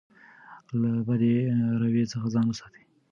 له بدې رویې څخه ځان وساتئ.